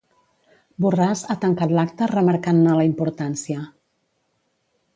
Borràs ha tancat l'acte remarcant-ne la importància.